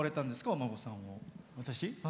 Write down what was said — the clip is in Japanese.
お孫さんを。